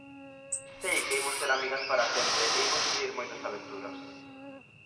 Sei que imos ser amigas para sempre e imos vivir moitas aventuras.